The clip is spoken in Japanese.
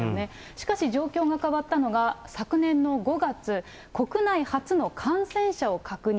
しかし、状況が変わったのが昨年の５月、国内初の感染者を確認。